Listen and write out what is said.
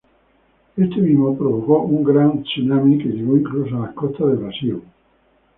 Este sismo provocó un gran "tsunami" que llegó incluso a las costas de Brasil.